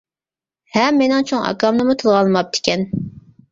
ھەم مېنىڭ چوڭ ئاكامنىمۇ تىلغا ئالماپتىكەن.